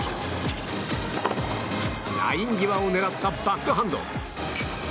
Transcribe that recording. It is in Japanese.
ライン際を狙ったバックハンド。